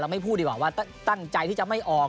ไม่พูดดีกว่าว่าตั้งใจที่จะไม่ออก